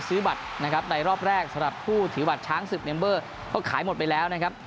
ซื้อบัตรนะครับในรอบแรกสำหรับผู้ถือบัตรช้างศึกเมมเบอร์ก็ขายหมดไปแล้วนะครับ